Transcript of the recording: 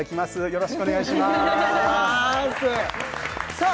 よろしくお願いしますさあ